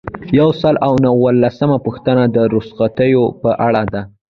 یو سل او نولسمه پوښتنه د رخصتیو په اړه ده.